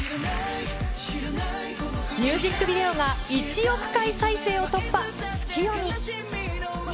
ミュージックビデオが１億回再生を突破、ツキヨミ。